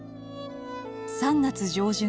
３月上旬